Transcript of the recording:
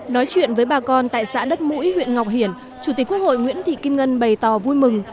nói chuyện với bà con tại xã đất mũi huyện ngọc hiển chủ tịch quốc hội nguyễn thị kim ngân bày tỏ vui mừng